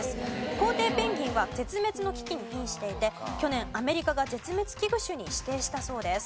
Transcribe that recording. コウテイペンギンは絶滅の危機に瀕していて去年アメリカが絶滅危惧種に指定したそうです。